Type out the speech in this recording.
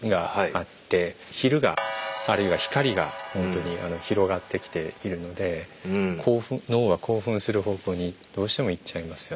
昼があるいは光がほんとに広がってきているので脳が興奮する方向にどうしてもいっちゃいますよね。